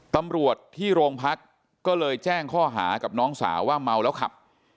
ตำรวจที่โรงพักก็เลยแจ้งข้อหากับน้องสาวว่าเมาแล้วขับ